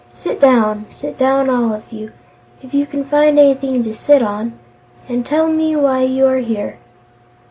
Sit down. Sit down, all of you if you can find anything to sit on and tell me why you are here."